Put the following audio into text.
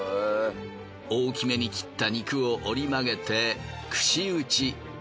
大きめに切った肉を折り曲げて串打ち。